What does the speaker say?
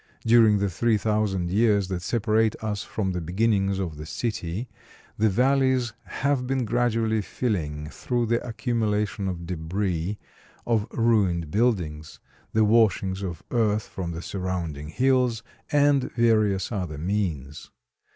During the three thousand years that separate us from the beginnings of the city the valleys have been gradually filling through the accumulation of debris of ruined buildings, the washings of earth from the surrounding hills, and various other means.